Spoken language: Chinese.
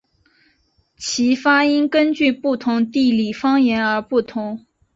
其发音根据不同地理方言而不同。